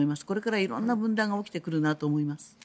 これから色んな分断が起きてくるなと思います。